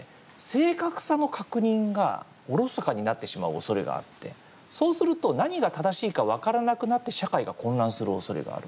正確さの確認がおろそかになってしまうおそれがあってそうすると何が正しいか分からなくなって社会が混乱するおそれがある。